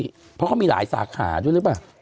เพราะเขามีหลายสาขาด้วยหรือเปล่า